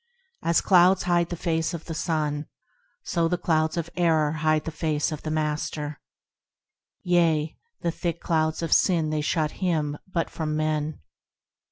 As clouds hide the face of the sun, So the clouds of error hide the face of the Master; Yea, the thick clouds of sin they shut Him but from men.